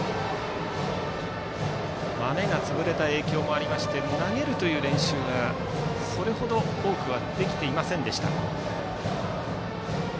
まめが潰れた影響もありまして投げるという練習がそれほど多くはできていません。